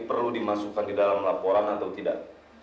perlu dimasukkan di dalam laporan atau tidak